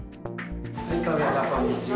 こんにちは。